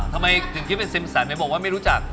ทำไมนิกกี้เป็นซิมสันไม่บอกว่าไม่รู้จัก